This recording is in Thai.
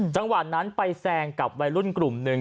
จังหวะนั้นไปแซงกับวัยรุ่นกลุ่มหนึ่ง